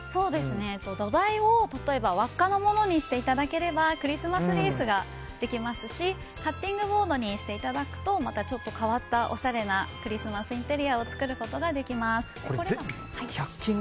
土台を例えば輪っかのものにしていただければクリスマスリースができますしカッティングボードにしていただくと変わったおしゃれなクリスマスインテリア１００均でできるんですか。